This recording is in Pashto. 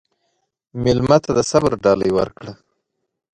مېلمه ته د صبر ډالۍ ورکړه.